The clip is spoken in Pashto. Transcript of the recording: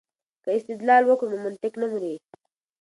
که استدلال وکړو نو منطق نه مري.